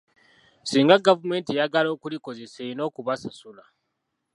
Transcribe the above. Singa gavumenti eyagala okulikozesa erina okubasasula.